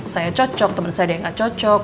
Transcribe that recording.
saya cocok teman saya ada yang gak cocok